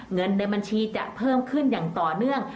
เงินในบัญชีจะเพิ่มขึ้นอย่างต่อเนื่อง